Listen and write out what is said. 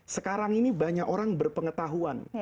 sekarang ini banyak orang berpengetahuan